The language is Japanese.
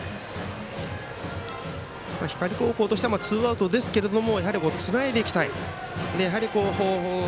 光高校としてはツーアウトですがやはりつないでいきたい。